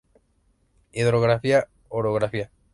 Hidrografía Orografía.